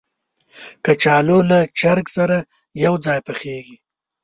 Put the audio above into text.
کچالو له چرګ سره یو ځای پخېږي